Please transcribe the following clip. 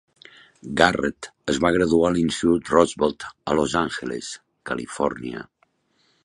Garrett es va graduar a l'institut de Roosevelt, a Los Angeles, Califòrnia.